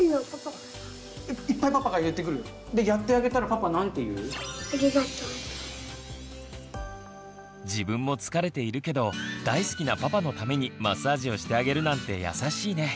いっぱいパパが言ってくる？でやってあげたら自分も疲れているけど大好きなパパのためにマッサージをしてあげるなんて優しいね。